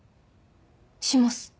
します。